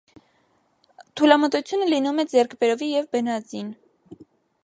Թուլամտությունը լինում է ձեռքբերովի և բնածին։